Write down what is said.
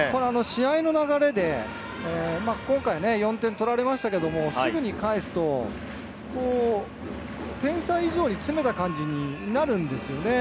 試合の流れで今回４点取られましたけれど、すぐに返すと点差以上に詰めた感じになるんですよね。